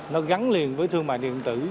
nó gắn liền với thương mại điện tử